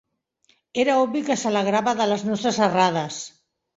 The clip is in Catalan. Era obvi que s"alegrava de les nostres errades.